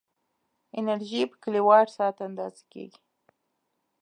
انرژي په کیلووات ساعت اندازه کېږي.